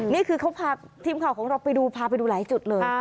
นี่คือทีมข่าวของเราพาไปดูหลายจุดเลย